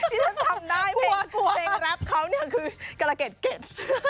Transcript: ที่ฉันทำได้เพลงแรปเขาเนี่ยคือกระเก็ดเก็บ